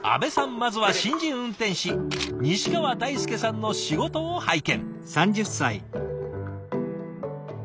まずは新人運転士西川大輔さんの仕事を拝見。